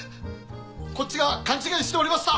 こっちが勘違いしておりました！